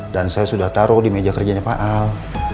dan saya sudah taruh di meja kerjanya pak al